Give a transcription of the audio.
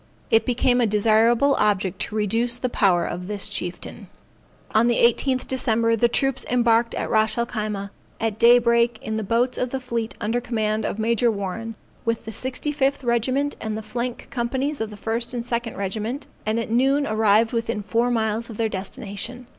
It became a desirable object to reduce the power of this chieftain. On the 18th December, the troops embarked at Ras el Khyma, at day break in the boats of the fleet under command of Major Warren, with the 65th regiment and the flank companies of the first and second regiment, and at noon arrived within four miles of their destination.